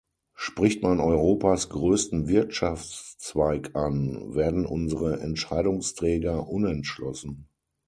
Spricht man Europas größten Wirtschaftszweig an, werden unsere Entscheidungsträger unentschlossen.